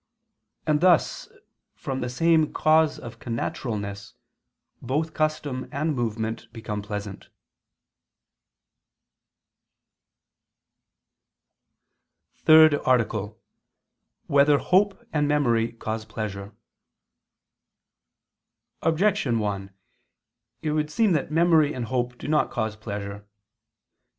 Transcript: And thus from the same cause of connaturalness, both custom and movement become pleasant. ________________________ THIRD ARTICLE [I II, Q. 32, Art. 3] Whether Hope and Memory Cause Pleasure? Objection 1: It would seem that memory and hope do not cause pleasure.